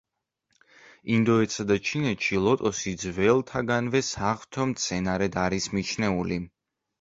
ინდოეთსა და ჩინეთში ლოტოსი ძველთაგანვე საღვთო მცენარედ არის მიჩნეული.